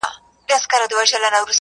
آزارونه را پسې به وي د زړونو،